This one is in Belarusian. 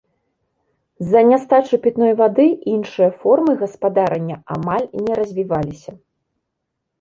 З-за нястачы пітной вады іншыя формы гаспадарання амаль не развіваліся.